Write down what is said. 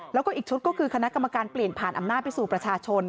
แล้วก็อีกชุดก็คือคณะกรรมการเปลี่ยนผ่านอำนาจไปสู่ประชาชน